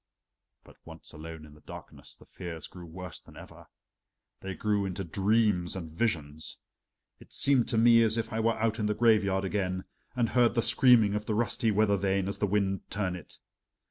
But once alone in the darkness the fears grew worse than ever. They grew into dreams and visions. It seemed to me as if I were out in the graveyard again, and heard the screaming of the rusty weather vane as the wind turned it.